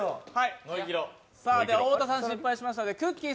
太田さん、失敗しましたのでくっきー！